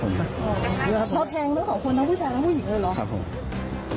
เราแทงเรื่องของคนทั้งผู้ชายทั้งผู้หญิงเลยเหรอครับผม